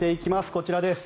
こちらです。